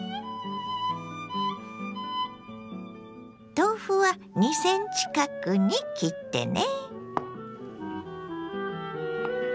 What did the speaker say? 豆腐は２ｃｍ角に切ってね。